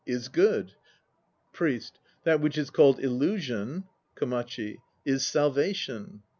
Is Good. PRIEST. That which is called Illusion KOMACHI. Is Salvation.